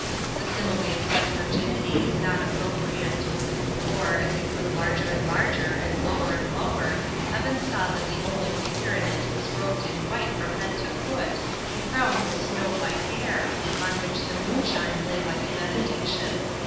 The simile of such virginity is not inappropriate; for, as it grew larger and larger and lower and lower, Evan saw that the only figure in it was robed in white from head to foot and crowned with snow white hair, on which the moonshine lay like a benediction.